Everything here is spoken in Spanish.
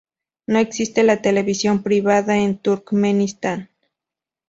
No existe la televisión privada en Turkmenistán.